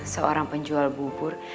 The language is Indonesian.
seorang penjual bubur